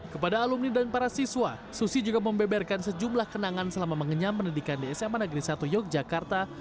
kepada alumni dan para siswa susi juga membeberkan sejumlah kenangan selama mengenyam pendidikan di sma negeri satu yogyakarta